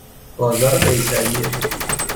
بازار قیصریه